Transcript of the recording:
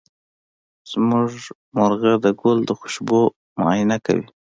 زمونږ مرغه د ګل د خوشبو معاینه کوي.